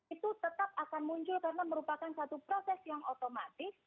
itu tetap akan muncul karena merupakan satu proses yang otomatis